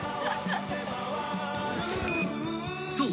［そう。